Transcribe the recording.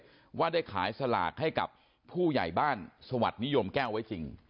เพราะว่าได้ขายสลากให้กับผู้ใหญ่บ้านสวัสดิ์นิยมแก้วไว้จริง